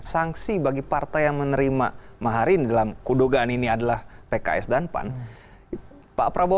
sanksi bagi partai yang menerima maharin dalam kodogaan ini adalah pks dan pan pak prabowo